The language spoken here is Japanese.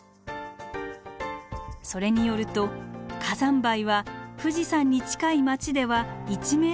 それによると火山灰は富士山に近い町では１メートル以上積もり